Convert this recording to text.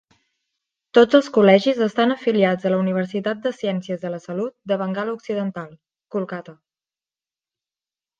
Tots els col·legis estan afiliats a la Universitat de Ciències de la Salut de Bengala Occidental, Kolkata.